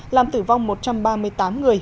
làm tử vong một trăm ba mươi tám người